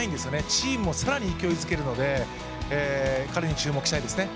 チームも勢いづけるので彼に注目したいですね。